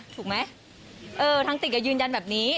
ถูกไหมทั้งติดกับยืนยันแบบนี้